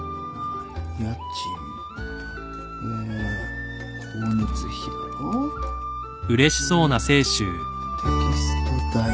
家賃え光熱費だろ？にテキスト代。